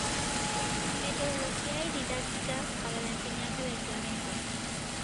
Metodología y didáctica para la enseñanza del Flamenco.